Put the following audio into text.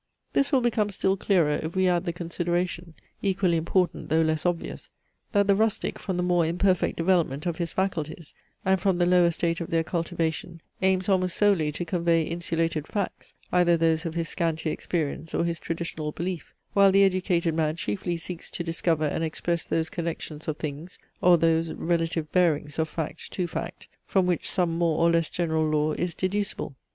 This will become still clearer, if we add the consideration (equally important though less obvious) that the rustic, from the more imperfect development of his faculties, and from the lower state of their cultivation, aims almost solely to convey insulated facts, either those of his scanty experience or his traditional belief; while the educated man chiefly seeks to discover and express those connections of things, or those relative bearings of fact to fact, from which some more or less general law is deducible.